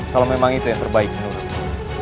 kalau memang itu yang terbaik menurutmu